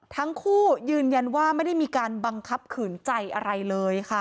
ทั้งคู่ยืนยันว่าไม่ได้มีการบังคับขืนใจอะไรเลยค่ะ